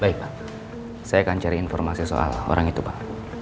baik pak saya akan cari informasi soal orang itu pak